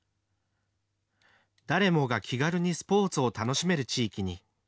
誰もが気軽にスポーツを楽しめる地域に。